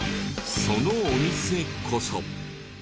そのお店こそ。